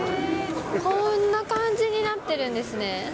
こんな感じになってるんですね。